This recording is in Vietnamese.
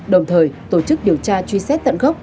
đồng thời tổ chức điều tra truy xét tận gốc